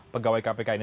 terima kasih banyak